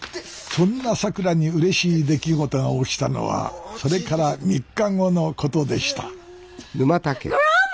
そんなさくらにうれしい出来事が起きたのはそれから３日後のことでしたグランマ！